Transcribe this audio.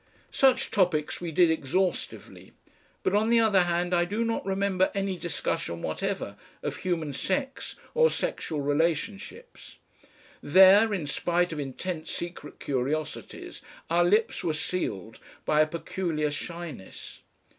Such topics we did exhaustively. But on the other hand I do not remember any discussion whatever of human sex or sexual relationships. There, in spite of intense secret curiosities, our lips were sealed by a peculiar shyness.